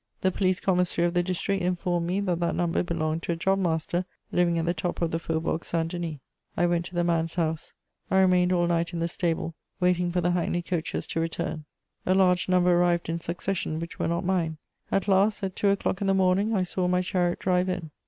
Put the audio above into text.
The police commissary of the district informed me that that number belonged to a job master living at the top of the Faubourg Saint Denis. I went to the man's house; I remained all night in the stable, waiting for the hackney coaches to return: a large number arrived in succession which were not mine; at last, at two o'clock in the morning, I saw my chariot drive in.